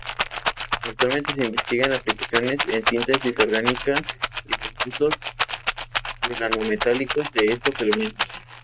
Actualmente se investigan aplicaciones en síntesis orgánica de compuestos organometálicos de estos elementos.